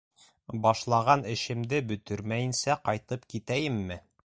Башлаған эшемде бөтөрмәйенсә ҡайтып китәйемме?